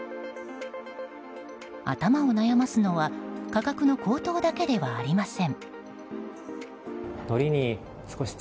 頭を悩ますのは価格の高騰だけではありません。